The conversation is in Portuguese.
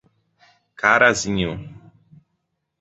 Carazinho